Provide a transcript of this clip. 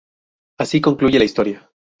Así concluye la historia.